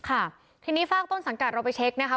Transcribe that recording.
ค่ะทีนี้ฝากต้นสังกัดเราไปเช็คนะคะ